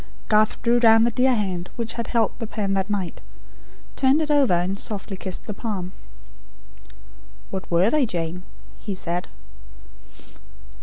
Garth drew down the dear hand which had held the pen that night; turned it over, and softly kissed the palm. "What were they, Jane?" he said.